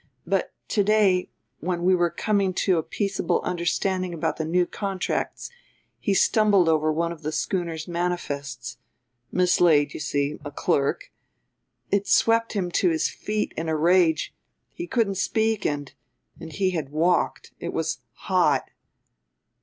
But to day when we were coming to a peaceable understanding about the new contracts he stumbled over one of the schooner's manifests. Mislaid, you see a clerk! It swept him to his feet in a rage, he couldn't speak, and and he had walked, it was hot...."